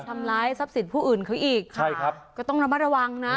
ทำร้ายทรัพย์สินผู้อื่นเขาอีกใช่ครับก็ต้องระมัดระวังนะ